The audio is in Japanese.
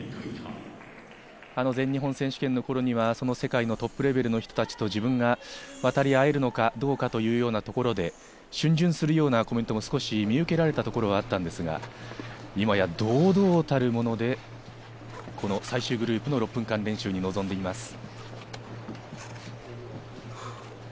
全日本選手権の頃には世界のトップレベルの人たちと自分が渡り合えるのかどうかというようなところで、逡巡するようなコメントも見受けられたところもありましたが、今や堂々たるもので、最終グループの６分間練習に臨んでいます。